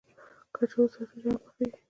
کچالو سره وريجې هم پخېږي